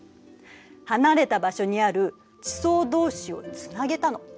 離れた場所にある地層同士をつなげたの。